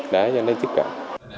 để cho nên tiếp cận